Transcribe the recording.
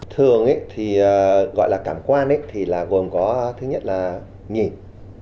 thường thì gọi là cảm quan thì là gồm có thứ nhất là nhìn